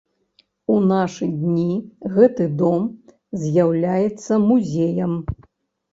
У нашы дні гэты дом з'яўляецца музеям.